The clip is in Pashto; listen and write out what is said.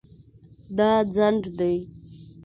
دا ځنډ دی